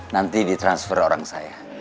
nanti ditransfer orang saya